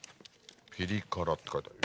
ピリ辛って書いてある。